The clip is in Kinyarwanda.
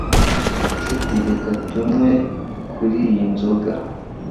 Nshuti reka tunywe kuri iyi nzoga